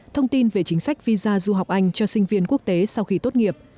thông tin về chính sách visa du học anh cho sinh viên quốc tế sau khi tốt nghiệp